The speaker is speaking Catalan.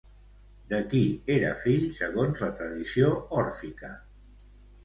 De qui era fill segons la tradició òrfica?